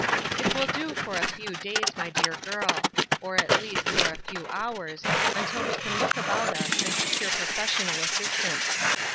"It will do for a few days, my dear girl ; or, at least, for a few hours, until we can look about us, and secure professional assistance.